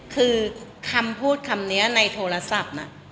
คือคำพูดคำนี้ในโทรศัพท์น่ะ